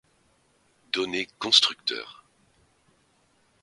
Données constructeur.